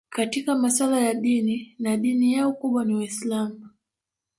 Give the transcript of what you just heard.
Katika masuala ya dini na dini yao kubwa ni Uislamu